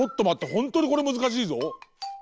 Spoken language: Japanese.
ホントにこれむずかしいぞ。